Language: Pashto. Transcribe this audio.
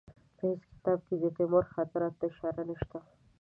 په هېڅ کتاب کې د تیمور خاطراتو ته اشاره نشته.